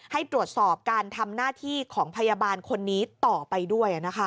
ให้ตรวจสอบการทำหน้าที่ของพยาบาลคนนี้ต่อไปด้วย